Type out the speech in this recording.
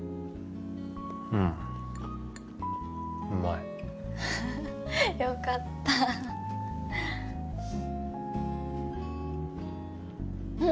うんうまいよかったあっ